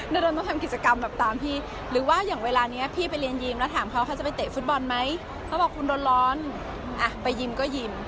โดนต้องทำกิจกรรมแบบตามพี่หรือว่าอย่างเวลานี้พี่ไปเรียนยิมแล้วถามเขาเขาจะไปเตะฟุตบอลไหมเขาบอกคุณโดนร้อนอ่ะไปยิมก็ยิม